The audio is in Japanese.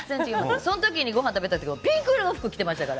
そのときにごはん食べたとき、ピンク色の服着てましたから。